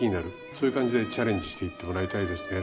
そういう感じでチャレンジしていってもらいたいですね。